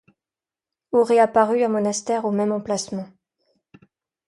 Au réapparut un monastère au même emplacement.